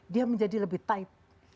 dia menjadi lebih tight